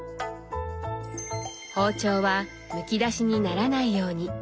包丁はむき出しにならないように。